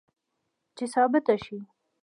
چې ثابته شي